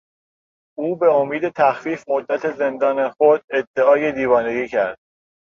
او به امید تخفیف مدت زندان خود ادعای دیوانگی کرد.